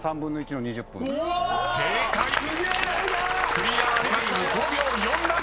［クリアタイム５秒４７。